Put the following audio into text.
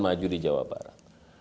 maju di jawa barat